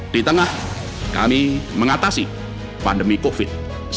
di tengah kami mengatasi pandemi covid sembilan belas